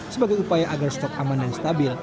sebagai upaya agar stok aman dan stabil